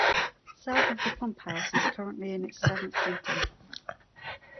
"South of the Pumphouse" is currently in its seventh printing.